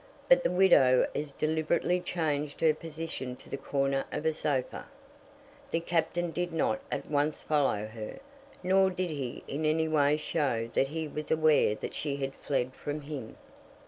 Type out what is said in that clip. But the widow as deliberately changed her position to the corner of a sofa. The Captain did not at once follow her, nor did he in any way show that he was aware that she had fled from him.